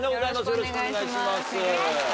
よろしくお願いします。